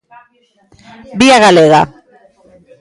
Vía Galega.